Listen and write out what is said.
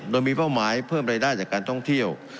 โดยมีเป้าหมายเพิ่มรายได้จากการท่องเที่ยว